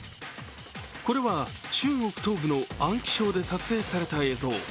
これは中国東部の安徽省で撮影された映像。